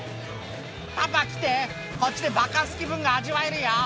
パパ来て、こっちでバカンス気分が味わえるよ。